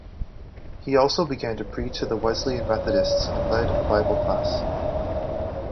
He also began to preach to the Wesleyan Methodists and lead a Bible class.